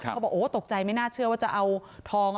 เขาบอกโอ้ตกใจไม่น่าเชื่อว่าจะเอาทอง